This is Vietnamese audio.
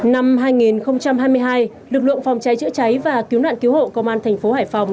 năm hai nghìn hai mươi hai lực lượng phòng cháy chữa cháy và cứu nạn cứu hộ công an thành phố hải phòng